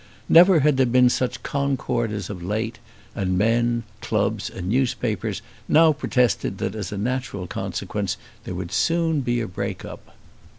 Never had there been such concord as of late, and men, clubs, and newspapers now protested that as a natural consequence there would soon be a break up.